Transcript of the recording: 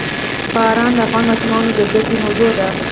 باران د افغان ماشومانو د زده کړې موضوع ده.